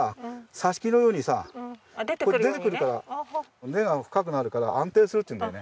挿し木のようにさ出てくるから根が深くなるから安定するっていうんだよね。